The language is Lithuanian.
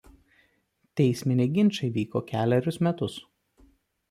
Teisminiai ginčai vyko kelerius metus.